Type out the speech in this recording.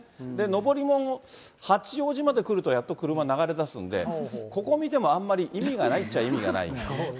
上りも八王子まで来るとやっと車流れ出すんで、ここ見ても、あんまり意味がないっちゃ意味がない。